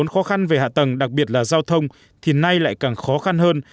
khó khăn về hạ tầng đặc biệt là giao thông thì nay lại càng khó khăn hơn